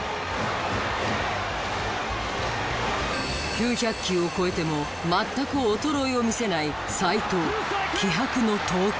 ９００球を超えても全く衰えを見せない斎藤気迫の投球。